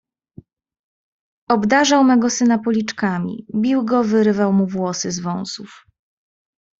"Obdarzał mego syna policzkami, bił go, wyrywał mu włosy z wąsów."